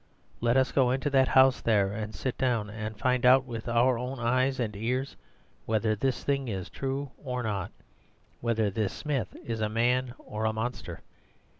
Let us go into that house there and sit down and find out with our own eyes and ears whether this thing is true or not; whether this Smith is a man or a monster.